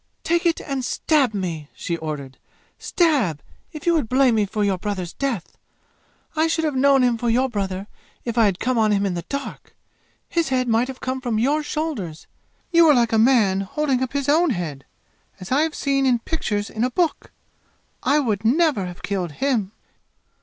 "Take it and stab me!" she ordered. "Stab if you blame me for your brother's death! I should have known him for your brother if I had come on him in the dark! His head might have come from your shoulders! You were like a man holding up his own head, as I have seen in pictures in a book! I would never have killed him!"